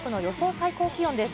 最高気温です。